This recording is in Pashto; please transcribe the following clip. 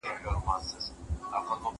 زه اوږده وخت قلم استعمالوموم وم!؟